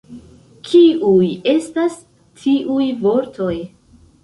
Kiuj estas tiuj vortoj?